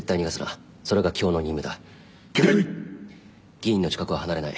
議員の近くを離れない。